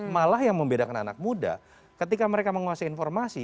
malah yang membedakan anak muda ketika mereka menguasai informasi